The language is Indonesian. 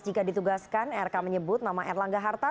jika ditugaskan rk menyebut nama erlangga hartar